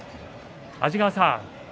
安治川さん